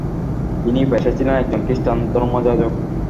তিনি পেশায় ছিলেন একজন খ্রিষ্টান ধর্মযাজক।